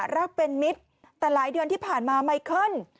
รักเป็นมิตรแต่หลายเดือนที่ผ่านมาไมเคิล